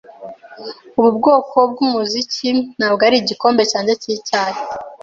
Ubu bwoko bwumuziki ntabwo ari igikombe cyanjye cyicyayi.